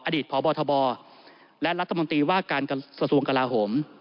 อดีตพบทบและรัฐมนตรีว่าการกระทรวงกลาโหม